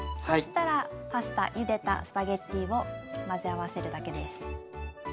そしたらゆでたスパゲッティを混ぜ合わせるだけです。